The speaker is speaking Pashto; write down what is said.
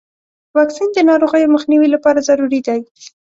واکسین د ناروغیو مخنیوي لپاره ضروري دی.